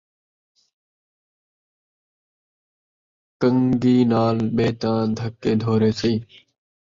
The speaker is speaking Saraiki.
گن٘گی نال ٻہے تاں دھکے دھوڑے سہے